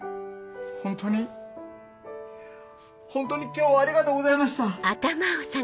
ホントにホントに今日はありがとうございました。